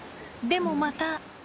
でもまた。